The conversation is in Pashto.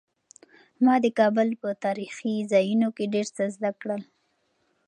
ما د کابل په تاریخي ځایونو کې ډېر څه زده کړل.